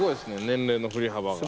年齢の振り幅が。